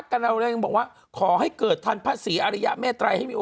เขายังไม่มาเกิดฉันเชื่อ